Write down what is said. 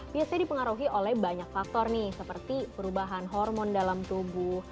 biasanya dipengaruhi oleh banyak faktor nih seperti perubahan hormon dalam tubuh